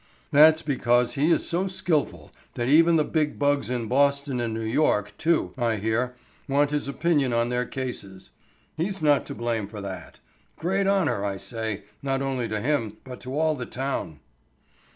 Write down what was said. "That's because he is so skilful that even the big bugs in Boston and New York too, I hear, want his opinion on their cases. He's not to blame for that. Great honor, I say, not only to him but to all the town."